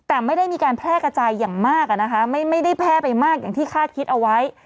แต่ไม่ได้มีการแพร่กระจายอย่างมากนะคะไม่ได้แพร่ไปมากอย่างที่คาดคิดเอาไว้